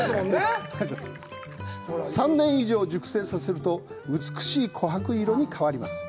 ３年以上熟成させると美しいこはく色に変わります。